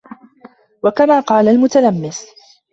وَكَمَا قَالَ الْمُتَلَمِّسُ